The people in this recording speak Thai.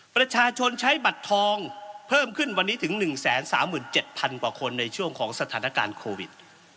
ประชาชนใช้บัตรทองเพิ่มขึ้นวันนี้ถึง๑๓๗๐๐กว่าคนในช่วงของสถานการณ์โควิด